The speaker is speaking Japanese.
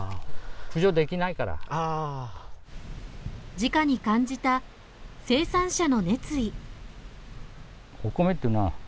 じかに感じた生産者の熱意。